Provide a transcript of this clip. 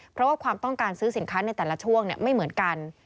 เพราะว่าความต้องการซื้อสินค้าในแต่ละช่วงไม่เหมือนกัน